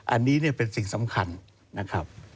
อันนี้เนี่ยเป็นสิ่งสำคัญนะครับ